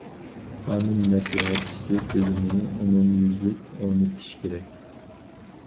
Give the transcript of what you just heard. قانۇن مەسلىھەتچىسى تۈزۈمىنى ئومۇميۈزلۈك ئورنىتىش كېرەك.